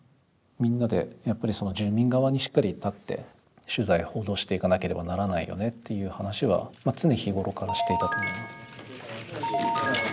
みんなでやっぱり住民側にしっかり立って取材報道していかなければならないよねっていう話は常日頃からしていたと思います。